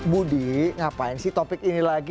budi ngapain sih topik ini lagi